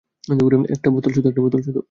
একটা বোতল শুধু।